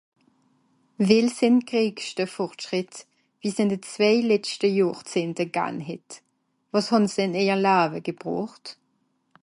well sìn greigschte vortschrìtt bis ìn de zwei letschte johrzehnte gahn hett wàs hàn se ìn ejer lawe gebroocht